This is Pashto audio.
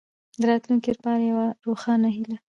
د راتلونکې لپاره یوه روښانه هیله.